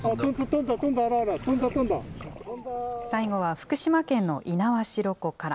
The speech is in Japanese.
福島県の猪苗代湖から。